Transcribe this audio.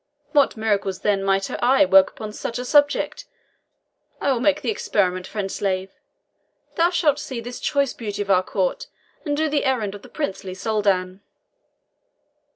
What miracles then might her eye work upon such a subject! I will make the experiment, friend slave. Thou shalt see this choice beauty of our Court, and do the errand of the princely Soldan."